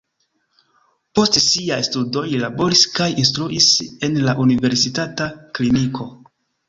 Post siaj studoj li laboris kaj instruis en la universitata kliniko.